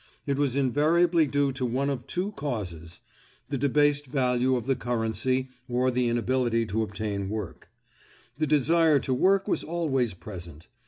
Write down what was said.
It was invariably due to one of two causes: the debased value of the currency or the inability to obtain work. The desire to work was always present.